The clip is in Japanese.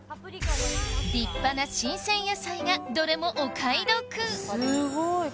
立派な新鮮野菜がどれもお買い得すごい。